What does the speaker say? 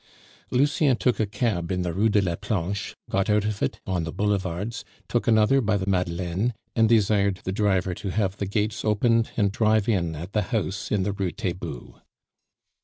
Lucien took a cab in the Rue de la Planche, got out of it on the Boulevards, took another by the Madeleine, and desired the driver to have the gates opened and drive in at the house in the Rue Taitbout.